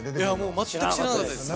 全く知らなかったです。